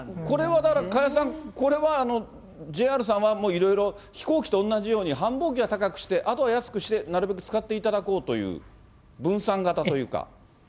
これはだから、加谷さん、これはＪＲさんはいろいろ飛行機と同じように繁忙期は高くして、あとは安くして、なるべく使っていただこうという分散型というか。